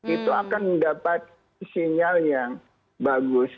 itu akan mendapat sinyal yang bagus